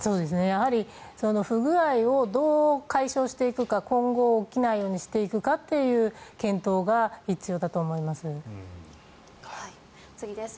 やはり、不具合をどう解消していくか今後起きないようにしていくかという検討が次です。